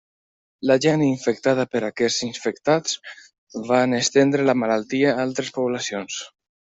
La gent infectada per aquests infectats van estendre la malaltia a altres poblacions.